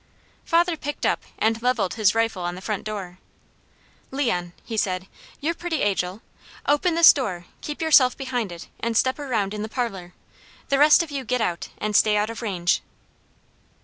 Father picked up and levelled his rifle on the front door. "Leon," he said, "you're pretty agile. Open this door, keep yourself behind it, and step around in the parlour. The rest of you get out, and stay out of range."